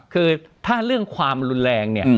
คือถ้าเรื่องความรุนแรง